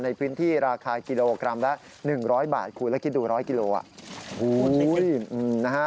ในพื้นที่ราคากิโลกรัมละ๑๐๐บาทคุณแล้วคิดดู๑๐๐กิโลกรัม